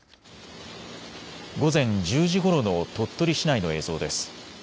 午前１０時ごろの鳥取市内の映像です。